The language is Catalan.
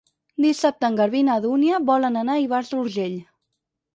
Dissabte en Garbí i na Dúnia volen anar a Ivars d'Urgell.